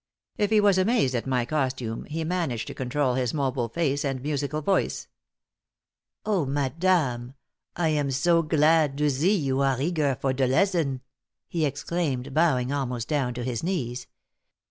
If he was amazed at my costume, he managed to control his mobile face and musical voice. "Oh, madame, I am zo glad to zee you are eager for de lezzon!" he exclaimed, bowing almost down to his knees.